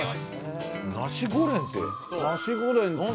ナシゴレンって。